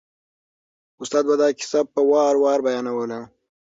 استاد به دا کیسه په وار وار بیانوله.